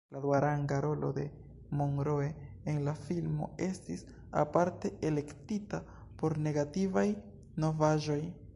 La duaranga rolo de Monroe en la filmo estis aparte elektita por negativaj novaĵoj.